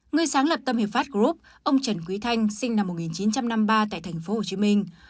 người sáng lập tân hiệp pháp group ông trần quý thanh sinh năm một nghìn chín trăm năm mươi ba tại tp hcm